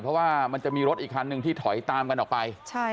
เพราะว่ามันจะมีรถอีกคันหนึ่งที่ถอยตามกันออกไป